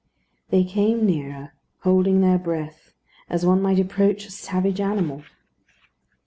They came nearer, holding their breath, as one might approach a savage animal.